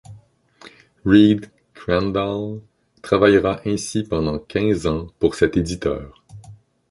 Reed Crandall travaillera ainsi pendant quinze ans pour cet éditeur.